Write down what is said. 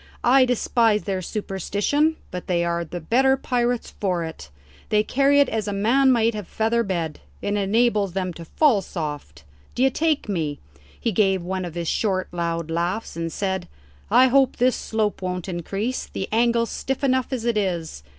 I despise their superstition, but they are the better pirates for it. They carry it as a man might a feather bed; it enables them to fall soft. D'ye take me?" He gave one of his short loud laughs, and said, "I hope this slope won't increase. The angle's stiff enough as it is.